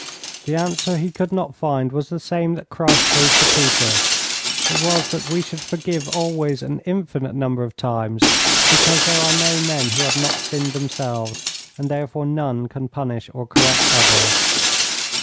The answer he could not find was the same that Christ gave to Peter. It was that we should forgive always an infinite number of times because there are no men who have not sinned themselves, and therefore none can punish or correct others.